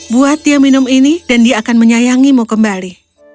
buat dia minum ini dan dia akan menyayangimu kembali